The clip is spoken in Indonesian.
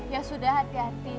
ya sudah hati hati